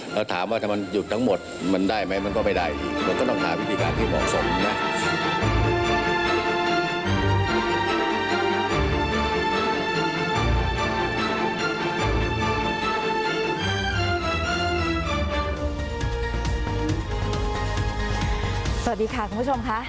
สวัสดีค่ะคุณผู้ชมค่ะ